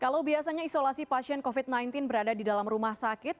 kalau biasanya isolasi pasien covid sembilan belas berada di dalam rumah sakit